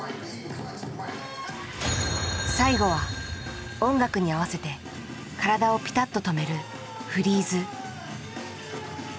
最後は音楽に合わせて体をピタッと止めるフリーズ。